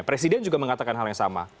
presiden juga mengatakan hal yang sama